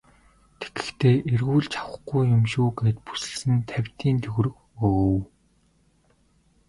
Тэгэхдээ эргүүлж авахгүй юм шүү гээд бүсэлсэн тавьтын төгрөг өгөв.